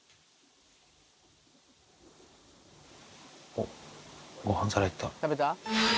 おっごはん皿行った。